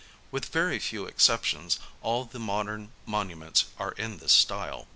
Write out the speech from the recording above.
With very few exceptions, all the modern monu ments are in this style.